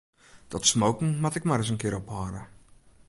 Dat smoken moat ek mar ris in kear ophâlde.